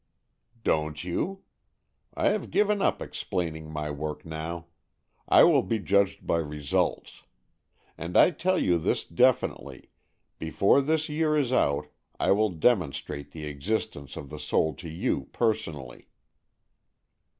" Don't you.^ I have given up explaining my work now. I will be judged by results. And I tell you this definitely — before this year is out I will demonstrate the existence of the soul to you personally."